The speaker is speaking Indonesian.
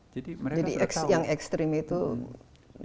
jadi yang ekstrim itu tidak ada ya